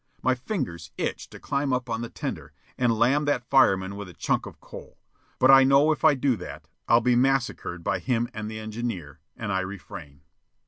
My fingers itch to climb up on the tender and lam that fireman with a chunk of coal; but I know if I do that, I'll be massacred by him and the engineer, and I refrain.